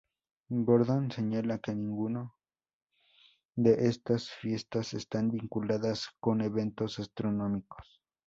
Gordon señala que ninguno de estas fiestas están vinculadas con eventos astronómicos.